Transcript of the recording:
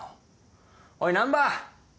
おい難破！